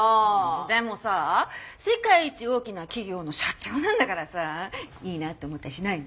でもさ世界一大きな企業の社長なんだからさいいなと思ったりしないの？